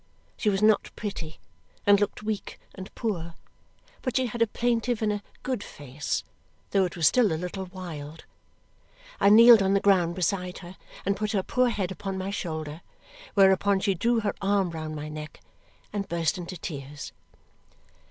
She was not pretty and looked weak and poor, but she had a plaintive and a good face, though it was still a little wild. I kneeled on the ground beside her and put her poor head upon my shoulder, whereupon she drew her arm round my neck and burst into tears.